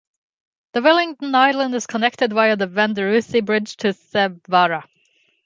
The Willingdon Island is connected via the Venduruthy Bridge to Thevara.